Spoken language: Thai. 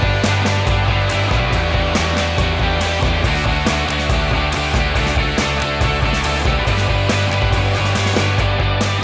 โอ้โหนิกกี้พิมพ์นี่ต้องเรียกผมพี่เลย